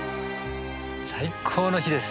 最高の日です！